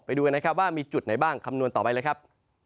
ไปดูกันนะครับว่ามีจุดไหนบ้างคำนวณต่อไปเลยครับ